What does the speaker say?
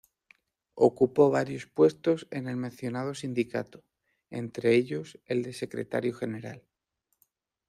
Ocupó varios puestos en el mencionado sindicato, entre ellos, el de Secretario General.